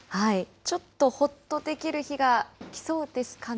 ちょっとほっとできる日が来そうですかね？